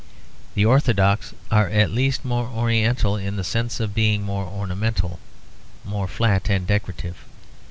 The Orthodox are at least more oriental in the sense of being more ornamental; more flat and decorative.